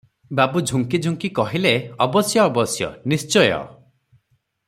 ବାବୁ ଝୁଙ୍କି ଝୁଙ୍କି କହିଲେ, "ଅବଶ୍ୟ, ଅବଶ୍ୟ, ନିଶ୍ଚୟ ।"